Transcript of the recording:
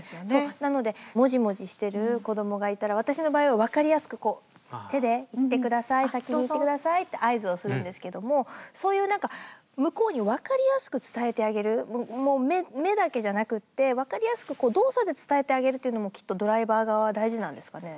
なので、もじもじしてる子どもがいたら私の場合は分かりやすく手で行ってください先に行ってくださいって合図をするんですけども向こうに分かりやすく伝えてあげる目だけじゃなくて、分かりやすく動作で伝えてあげるというのもきっとドライバー側は大事なんですかね。